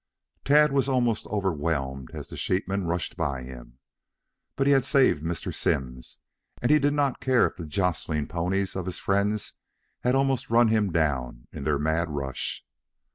Tad was almost overwhelmed as the sheepmen rushed by him. But he had saved Mr. Simms and he did not care if the jostling ponies of his friends had almost run him down in their mad rush.